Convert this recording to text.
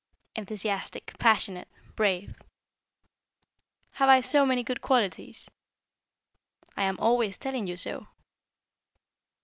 "Enthusiastic, passionate, brave." "Have I so many good qualities?" "I am always telling you so."